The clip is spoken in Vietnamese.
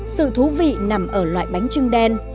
sự thú vị nằm ở loại bánh trưng